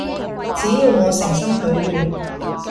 只要我誠心許願